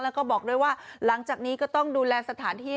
แล้วก็บอกด้วยว่าหลังจากนี้ก็ต้องดูแลสถานที่